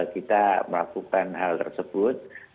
kita melakukan hal tersebut